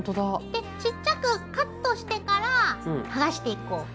でちっちゃくカットしてから剥がしていこう。